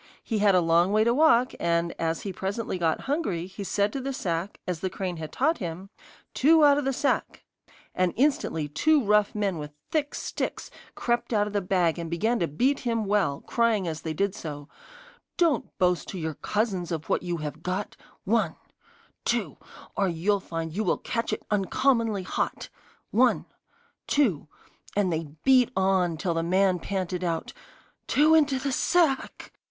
He had a long way to walk, and as he presently got hungry, he said to the sack, as the crane had taught him: 'Two out of the sack!' And instantly two rough men with thick sticks crept out of the bag and began to beat him well, crying as they did so: 'Don't boast to your cousins of what you have got, One two Or you'll find you will catch it uncommonly hot, One two ' And they beat on till the man panted out: 'Two into the sack.